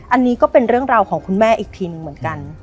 อันนี้ก็เป็นเรื่องราวของคุณแม่อีกทีหนึ่งเหมือนกัน